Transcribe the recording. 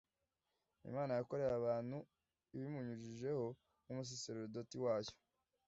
imana yakoreye abantu ibimunyujijeho nk’umusaserdoti wayo.